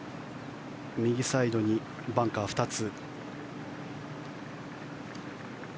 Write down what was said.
右サイドにバンカー２つ。